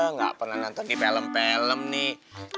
nggak pernah nonton di film film nih